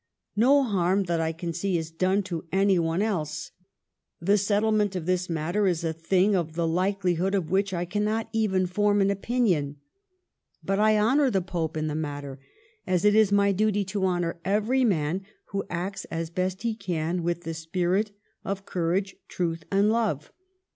No harm that I can see is done to any one else. The settlement of this matter is a thing of the likelihood of which I cannot even form an opinion. But I honor the Pope in the matter, as it is my duty to honor every man who acts as best he can with the spirit of courage, truth, and love.